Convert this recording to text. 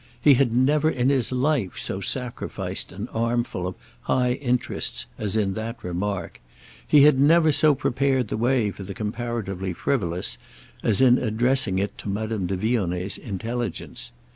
He had never in his life so sacrificed an armful of high interests as in that remark; he had never so prepared the way for the comparatively frivolous as in addressing it to Madame de Vionnet's intelligence.